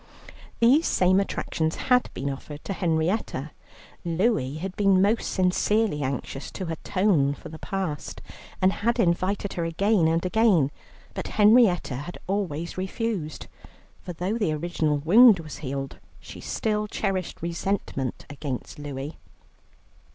These same attractions had been offered to Henrietta. Louie had been most sincerely anxious to atone for the past, and had invited her again and again, but Henrietta had always refused; for though the original wound was healed, she still cherished resentment against Louie.